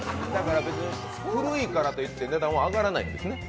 古いからといって値段は上がらないんですね。